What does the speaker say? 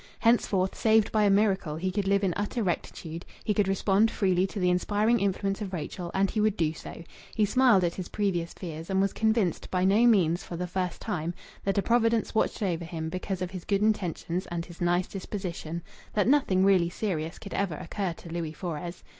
Henceforth, saved by a miracle, he could live in utter rectitude; he could respond freely to the inspiring influence of Rachel, and he would do so. He smiled at his previous fears, and was convinced, by no means for the first time, that a Providence watched over him because of his good intentions and his nice disposition that nothing really serious could ever occur to Louis Fores.